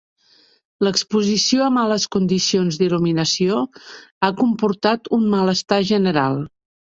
L'exposició a males condicions d'il·luminació ha comportat un malestar general.